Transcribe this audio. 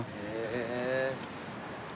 へえ。